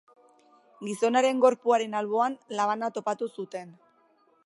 Gizonaren gorpuaren alboan labana topatu zuten.